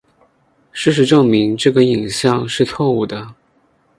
事实证明这个影像是错误的。